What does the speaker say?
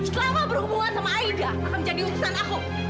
selama berhubungan sama aida akan jadi urusan aku